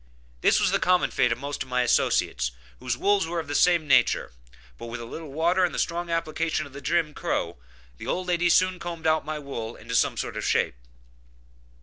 This was the common fate of most of my associates, whose wools were of the same nature, but with a little water and the strong application of the Jim crow, the old lady soon combed out my wool into some sort of shape.